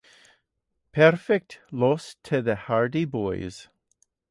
Perfect lost to The Hardy Boyz.